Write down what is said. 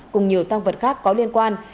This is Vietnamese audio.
cùng nhiều tăng vật khác có liên quan